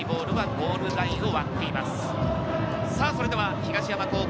東山高校。